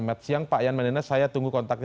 metsiang pak yan mandenas saya tunggu kontaknya